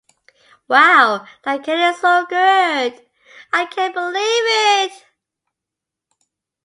Wow, that candy is so good! I can't believe it.